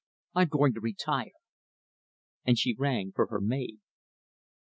I'm going to retire." And she rang for her maid.